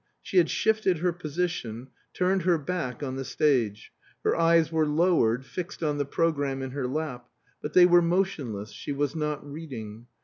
She had shifted her position, turned her back on the stage; her eyes were lowered, fixed on the programme in her lap, but they were motionless; she was not reading.